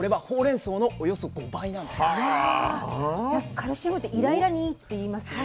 カルシウムってイライラにいいっていいますよね。